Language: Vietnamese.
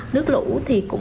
nước lũ thì cũng